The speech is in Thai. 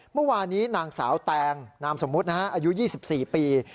เมื่อวานนี้นางสาวแตงนามสมมุตินะฮะอายุ๒๔ปี